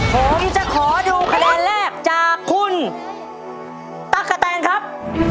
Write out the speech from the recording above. ผมจะขอดูคะแนนแรกจากคุณตั๊กกะแตนครับ